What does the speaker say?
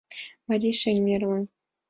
«Марий шемерлан.